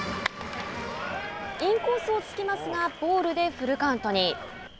インコースを突きますがボールでフルカウントに。